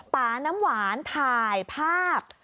ป่าน้ำหวานถ่ายภาพ